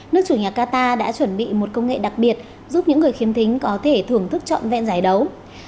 nước chủ nhà qatar đã chuẩn bị một công nghệ đặc biệt giúp những người khiếm thính có thể thưởng thức trọn vẹn giải đấu